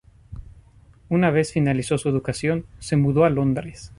Una vez finalizó su educación, se mudó a Londres.